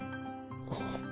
あっ。